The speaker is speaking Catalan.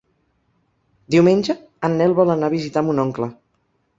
Diumenge en Nel vol anar a visitar mon oncle.